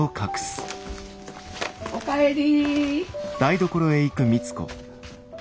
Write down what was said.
お帰り。